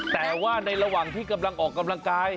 แต่ว่าในระหว่างที่กำลังออกกำลังกาย